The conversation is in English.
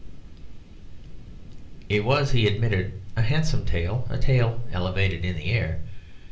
It was, he admitted, a handsome tail a tail elevated in the air.